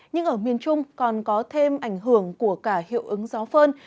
nhưng ở miền trung còn có thêm ảnh hưởng của cả hiệu ứng gió phơn